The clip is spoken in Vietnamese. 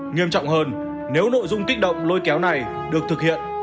nghiêm trọng hơn nếu nội dung kích động lôi kéo này được thực hiện